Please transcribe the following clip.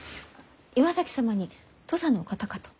岩崎様に土佐のお方かと。